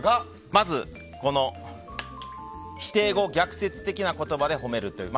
まず、否定語・逆説的な言葉で褒めるという。